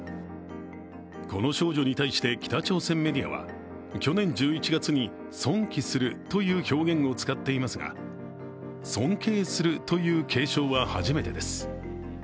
この少女に対して北朝鮮メディアは去年１１月に尊貴するという表現を使っていますが尊敬するという敬称は初めてです。